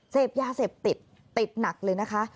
เสพยาเสพติดติดหนักเลยนะคะ